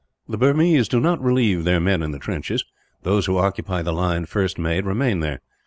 The Burmese do not relieve their men in the trenches. Those who occupy the line first made remain there.